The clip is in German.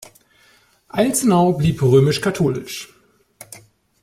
Alzenau blieb römisch-katholisch.